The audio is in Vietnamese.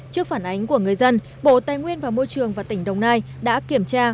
trước phản ánh của người dân bộ tài nguyên và môi trường và tỉnh đồng nai đã kiểm tra